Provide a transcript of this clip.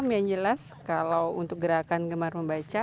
yang jelas kalau untuk gerakan gemar membaca